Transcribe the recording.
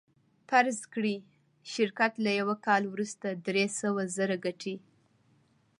فرض کړئ شرکت له یوه کال وروسته درې سوه زره ګټي